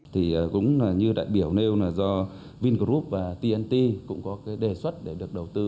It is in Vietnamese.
thì cũng như đại biểu nêu là do vingroup và tnt cũng có cái đề xuất để được đầu tư